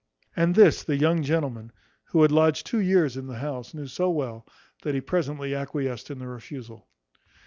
And this the young gentleman, who had lodged two years in the house, knew so well, that he presently acquiesced in the refusal.